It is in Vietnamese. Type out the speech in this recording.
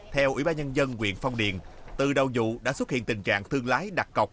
theo ủy ban nhân dân huyện phong điền từ đầu dụ đã xuất hiện tình trạng thương lái đặt cọc